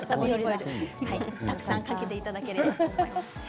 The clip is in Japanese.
たくさん食べていただければと思います。